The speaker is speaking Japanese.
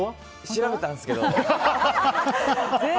調べたんですけど。